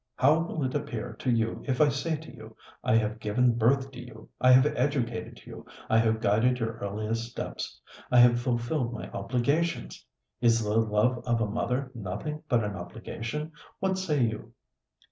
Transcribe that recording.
How will it appear to you if I say to you, 'I have given birth to you, I have educated you, I have guided your earliest steps I have fulfilled my obligations!' Is the love of a mother nothing but an obligation? What say you?"